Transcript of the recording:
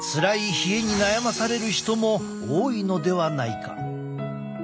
冷えに悩まされる人も多いのではないか。